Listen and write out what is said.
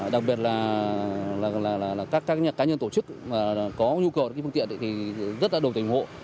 đặc biệt là các cá nhân tổ chức có nhu cầu phương tiện thì rất là đồng tình hộ